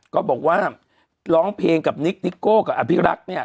ก็บอกว่าร้องเพลงกับนิคนิโก้กับอภิรักษ์เนี่ย